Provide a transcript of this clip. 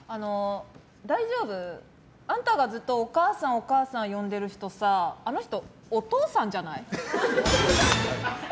大丈夫？あんたがずっとお母さん、お母さん呼んでる人さあの人、お父さんじゃない？